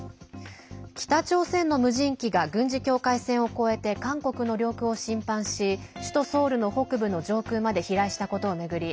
北朝鮮の無人機が軍事境界線を越えて韓国の領空を侵犯し首都ソウルの北部の上空まで飛来したことを巡り